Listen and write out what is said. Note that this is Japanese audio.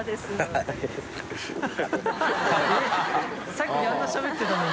さっきあんなにしゃべってたのに。